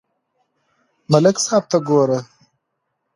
ملک صاحب ته گوره